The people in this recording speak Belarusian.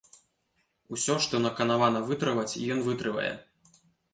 Усё, што наканавана вытрываць, ён вытрывае.